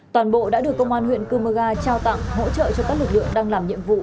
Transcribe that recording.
toàn bộ đã được công an huyện cơ mơ ga trao tặng hỗ trợ cho các lực lượng đang làm nhiệm vụ